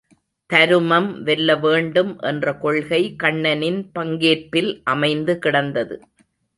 தருமம் வெல்ல வேண்டும் என்ற கொள்கை கண்ணனின் பங்கேற்பில் அமைந்து கிடந்தது.